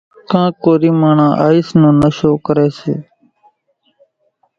ڪانڪ ڪورِي ماڻۿان آئيس نو نشو ڪريَ سي۔